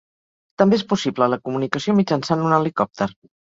També és possible la comunicació mitjançant un helicòpter.